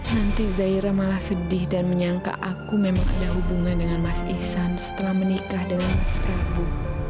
nanti zaira malah sedih dan menyangka aku memang ada hubungan dengan mas isan setelah menikah dengan mas prabu